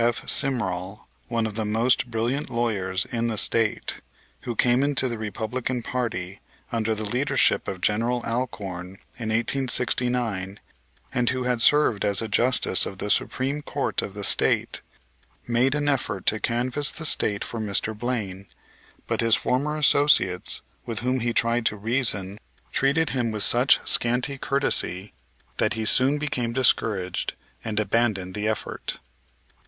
F. Simrall, one of the most brilliant lawyers in the State, who came into the Republican party under the leadership of General Alcorn in 1869, and who had served as a Justice of the Supreme Court of the State, made an effort to canvass the State for Mr. Blaine, but his former associates, with whom he tried to reason, treated him with such scanty courtesy that he soon became discouraged and abandoned the effort.